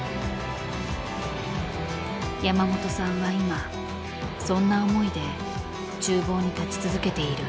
山本さんは今そんな思いで厨房に立ち続けている。